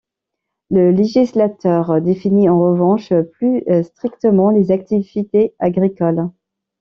Le législateur définit en revanche plus strictement les activités agricoles.